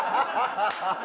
ハハハハ！